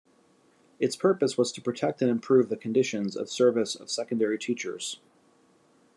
Its purpose was to protect and improve the conditions of service of secondary teachers.